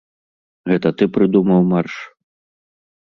Гэта ты прыдумаў марш?